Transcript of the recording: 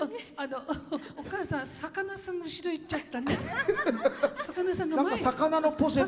お母さん、魚さん後ろいっちゃったね。